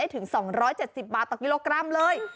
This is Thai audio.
๑ต้นก็๗๐๐บาทต่อกิโลกรัมเลย